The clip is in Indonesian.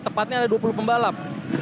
tepatnya ada dua puluh pembalap